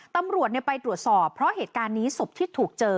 ตำรวจไปตรวจสอบเพราะเหตุการณ์นี้ศพที่ถูกเจอ